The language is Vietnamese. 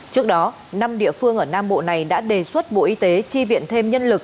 trước đó năm địa phương ở nam bộ này đã đề xuất bộ y tế chi viện thêm nhân lực